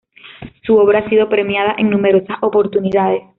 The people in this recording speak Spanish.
Su obra ha sido premiada en numerosas oportunidades.